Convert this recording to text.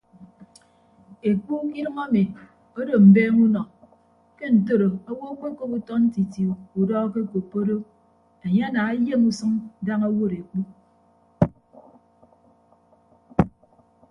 Ekpu ke idʌñ emi odo mbeeñe unọ ke ntoro owo akpekop utọ ntiti udọ akekoppo do enye ana ayem usʌñ daña owod ekpu.